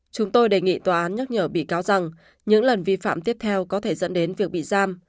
chúng tôi đề nghị tòa án nhắc nhở bị cáo rằng những lần vi phạm tiếp theo có thể dẫn đến việc bị giam